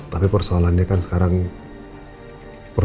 silahkan mbak mbak